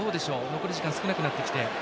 残り時間少なくなってきて。